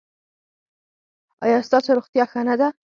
ایا ستاسو روغتیا ښه نه ده؟